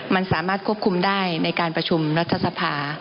มันสามารถควบคุมได้ในการประชุมรัฐสภา